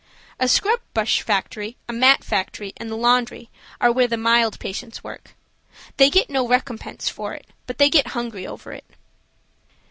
A scrub brush factory, a mat factory, and the laundry, are where the mild patients work. They get no recompense for it, but they get hungry over it.